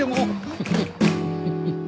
フフフフフ。